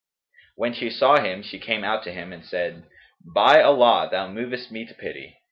When she saw him she came out to him and said, 'By Allah thou movest me to pity!